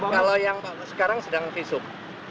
kalau yang sekarang sedang visum